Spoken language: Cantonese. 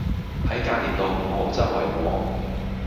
喺架 𨋢 度唔好週圍摸